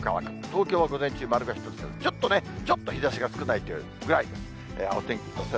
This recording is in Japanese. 東京は午前中丸が１つで、ちょっとね、ちょっと日ざしが少ないというぐらいです。